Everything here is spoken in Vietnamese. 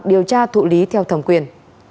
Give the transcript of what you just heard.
điều tra thụ lý theo thẩm quyền